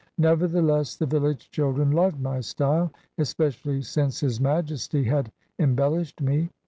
Nevertheless the village children loved my style, especially since his Majesty had embellished me.